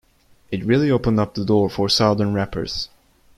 It really opened up the door for Southern rappers.